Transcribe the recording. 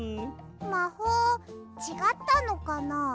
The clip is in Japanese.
まほうちがったのかな？